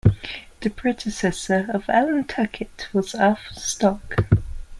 The predecessor of Alan Tuckett was Arthur Stock.